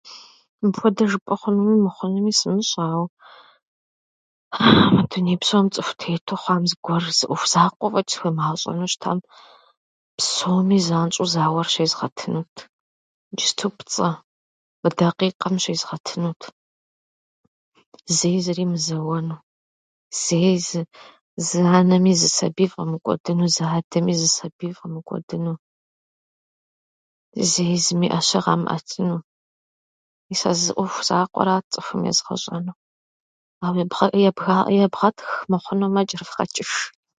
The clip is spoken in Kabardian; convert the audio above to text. Мыпхуэдэ жыпӏэ хъунуми мыхъунуми сымыщӏэ, ауэ мы дуней псом цӏыху тету хъуам зыгуэр, зы ӏуэху закъуэ фӏэчӏ схуемыгъэщӏэну щытам, псоми занщӏэу зауэр щезгъэтынут. Иджыпступцӏэ, мы дакъикъэм щезгъэтынут. Зэи зыри мызэуэну, зэи зы- зы анэми зы сабий фӏэмыкӏуэдыну, зы адэми зы сабий фӏэмыкӏуэдыну, зэи зыми ӏэщэ къамыӏэтыну. Мис а зы ӏуэху закъуэрат цӏыхум езгъэщӏэнур. Ауэ ебгъэ- ебгэ- ебгъэтх мыхъунумэ, кӏэрывгъэкӏыж.